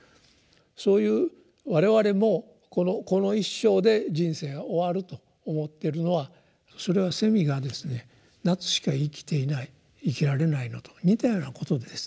そういう我々もこの一生で人生が終わると思ってるのはそれはセミがですね夏しか生きていない生きられないのと似たようなことでですね。